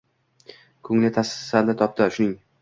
Ko'ngli tasalli topdi. Shuning